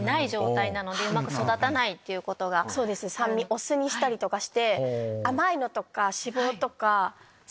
お酢にしたりとかして。